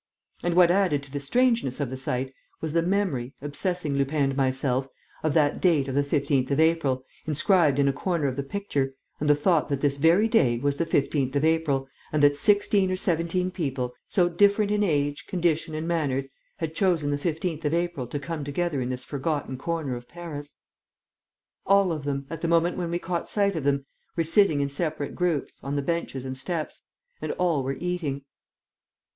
And what added to the strangeness of the sight was the memory, obsessing Lupin and myself, of that date of the 15th of April, inscribed in a corner of the picture, and the thought that this very day was the 15th of April and that sixteen or seventeen people, so different in age, condition and manners, had chosen the 15th of April to come together in this forgotten corner of Paris! All of them, at the moment when we caught sight of them, were sitting in separate groups on the benches and steps; and all were eating.